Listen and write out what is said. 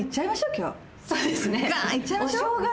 今日そうですねガーン！